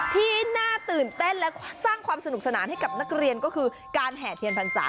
ที่น่าตื่นเต้นและสร้างความสนุกสนานให้กับนักเรียนก็คือการแห่เทียนพรรษา